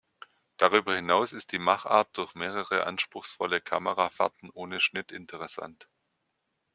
Darüber hinaus ist die Machart durch mehrere anspruchsvolle Kamerafahrten ohne Schnitt interessant.